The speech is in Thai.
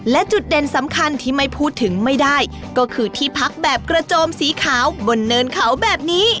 และจุดเด่นสำคัญที่ไม่พูดถึงไม่ได้ก็คือที่พักแบบกระโจมสีขาวบนเนินเขาแบบนี้